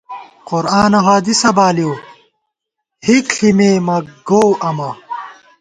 قرآن اؤ حدیثہ بالِؤ، ہِک ݪِی مے مہ گوؤ امہ